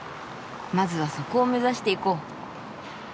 まずはそこを目指して行こう。